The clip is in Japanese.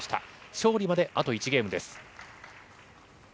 勝利まであと１ゲームです。